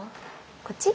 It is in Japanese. こっち？